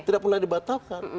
tidak pernah dibatalkan